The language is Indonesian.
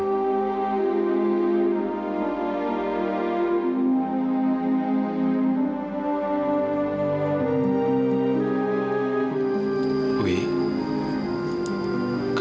biar aku bayar kontrakan